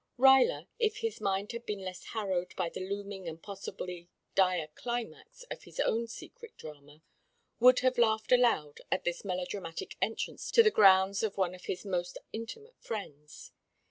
Ruyler, if his mind had been less harrowed with the looming and possibly dire climax of his own secret drama, would have laughed aloud at this melodramatic entrance to the grounds of one of his most intimate friends.